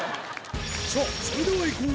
さぁそれではいこう！